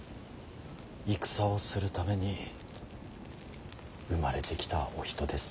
戦をするために生まれてきたお人です。